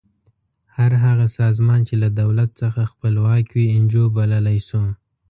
هر هغه سازمان چې له دولت څخه خپلواک وي انجو بللی شو.